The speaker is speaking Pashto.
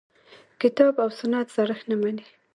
کتاب او سنت زړښت نه مني.